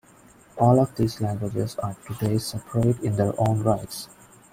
All of these languages are today separate in their own right.